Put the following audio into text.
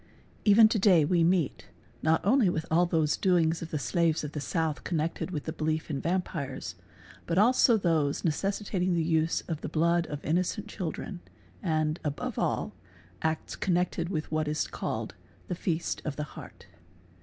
Hven to day we meet, not only all those doings of the slaves of jhe south connected with the belief in vampires ©, but also those neces piating the use of the blood of innocent children, and, above all, acts connected with what is called the "feast of the heart.